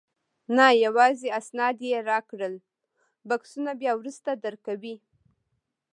نه، یوازې اسناد یې راکړل، بکسونه بیا وروسته درکوي.